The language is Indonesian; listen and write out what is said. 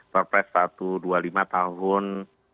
perpres satu dua puluh lima tahun dua ribu dua puluh dua